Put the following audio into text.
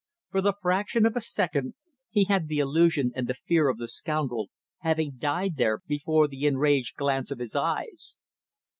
For the fraction of a second he had the illusion and the fear of the scoundrel having died there before the enraged glance of his eyes.